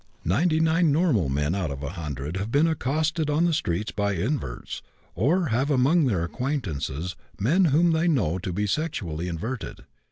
Ninety nine normal men out of a hundred have been accosted on the streets by inverts, or have among their acquaintances men whom they know to be sexually inverted.